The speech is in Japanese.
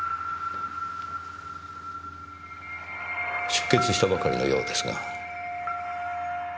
出血したばかりのようですが。